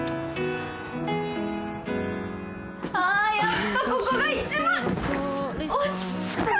あやっぱここが一番落ち着く！